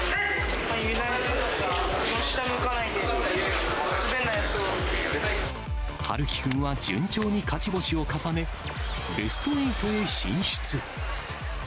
油断しない、下向かない、陽希君は順調に勝ち星を重ね、ベスト８へ進出。